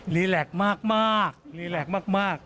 แหลกมากรีแลกมาก